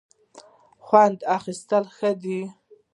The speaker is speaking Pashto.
خوند اخیستل ښه دی.